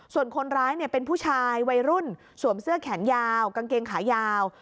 ส่วนคนร้ายเป็นผู้ชายวัยรุ่นสวมเสื้อแขนยาวกางเกงขายาว